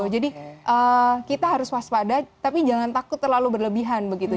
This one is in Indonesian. jadi kita harus waspada tapi jangan takut terlalu berlebihan begitu